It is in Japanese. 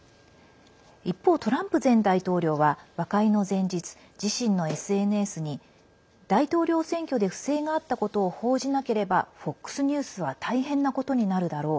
一方、トランプ前大統領は和解の前日、自身のＳＮＳに大統領選挙で不正があったことを報じなければＦＯＸニュースは大変なことになるだろう。